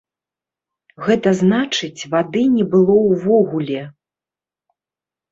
Гэта значыць вады не было ўвогуле.